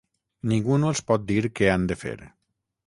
Ningú no els pot dir què han de fer.